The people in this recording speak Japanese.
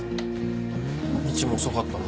みちも遅かったの？